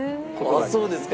そうですか？